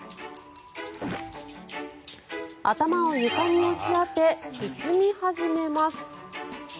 頭を床に押し当て進み始めます。